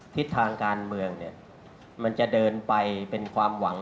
ทิศทางการเมืองเนี่ยมันจะเดินไปเป็นความหวัง